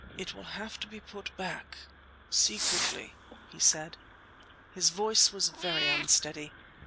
"It will have to be put back ... secretly," he said. His voice was very unsteady.